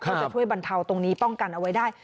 จะช่วยบรรเทาตรงนี้ป้องกันเอาไว้ได้